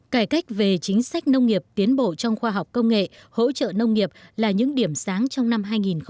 cải cách về chính sách nông nghiệp tiến bộ trong khoa học công nghệ hỗ trợ nông nghiệp là những điểm sáng trong năm hai nghìn hai mươi